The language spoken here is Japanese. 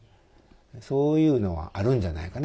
そういうのはあるんじゃないかな。